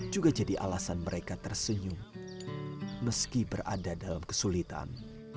juga jadi alasan mereka tersenyum meski berada dalam kesulitan